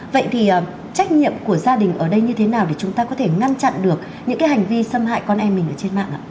vậy thì trách nhiệm của gia đình ở đây như thế nào để chúng ta có thể ngăn chặn được những cái hành vi xâm hại con em mình ở trên mạng ạ